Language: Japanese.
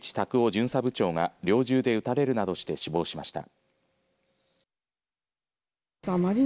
巡査部長が猟銃で撃たれるなどして死亡しました。